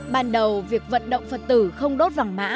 ban đầu việc vận động phật tử không đốt vàng mã